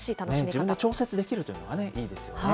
自分で調節できるというのがいいですよね。